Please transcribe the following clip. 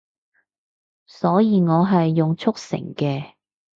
所以我係用速成嘅